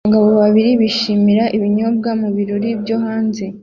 Abagabo babiri bishimira ibinyobwa mu birori byo hanze